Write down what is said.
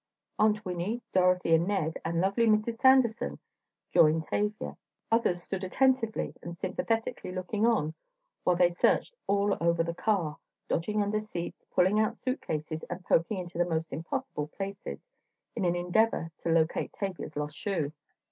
Aunt Winnie, Dorothy and Ned and lovely Mrs. Sanderson joined Tavia, others stood attentively and sympathetically looking on while they searched all over the car, dodging under seats, pulling out suit cases and poking into the most impossible places, in an endeavor to locate Tavia's lost shoe.